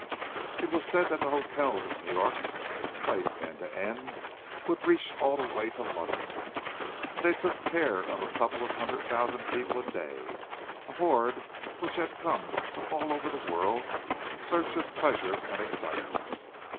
It was said that the hotels of New York, placed end to end, would reach all the way to London; and they took care of a couple of hundred thousand people a day—a horde which had come from all over the world in search of pleasure and excitement.